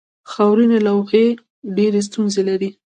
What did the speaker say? خاورینې لوحې ډېرې ستونزې لري.